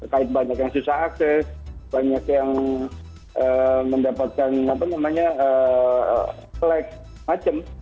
terkait banyak yang susah akses banyak yang mendapatkan apa namanya flag macam